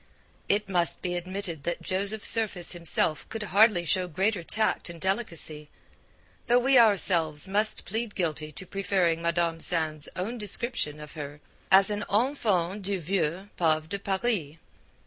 It must be admitted that Joseph Surface himself could hardly show greater tact and delicacy, though we ourselves must plead guilty to preferring Madame Sand's own description of her as an 'enfant du vieux pave de Paris.'